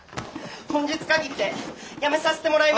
今月限りで辞めさせてもらいます！